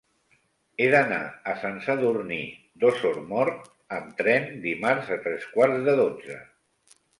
He d'anar a Sant Sadurní d'Osormort amb tren dimarts a tres quarts de dotze.